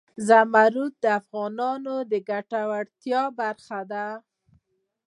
زمرد د افغانانو د ګټورتیا برخه ده.